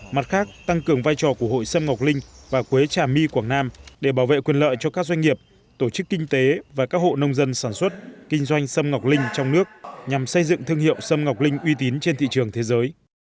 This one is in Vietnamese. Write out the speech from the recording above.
mặt khác tăng cường vai trò của hội sâm ngọc linh và quế trà my quảng nam để bảo vệ quyền lợi cho các doanh nghiệp tổ chức kinh tế và các hộ nông dân sản xuất kinh doanh sâm ngọc linh trong nước nhằm xây dựng thương hiệu sâm ngọc linh uy tín trên thị trường thế giới